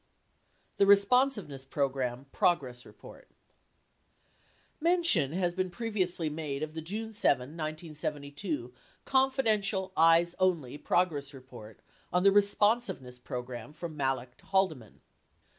The Responsiveness Program Progress Report Mention has been previously made of the June 7, 1972, "Confidential Eyes Only" progress report on the Responsiveness Program from Malek to Haldeman.